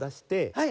はい。